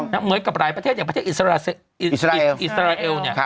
เหมือนกับหลายประเทศอย่างประเทศอิสราเอลเนี่ย